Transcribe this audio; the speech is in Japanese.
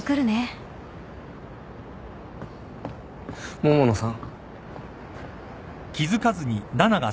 桃野さん。